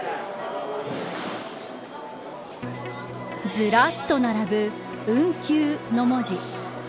ずらっと並ぶ運休の文字。